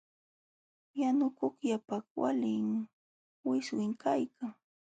Yanukuqkaqpa walin wiswim kaykan.